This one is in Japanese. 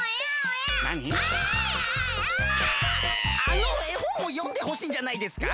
あのえほんをよんでほしいんじゃないですか？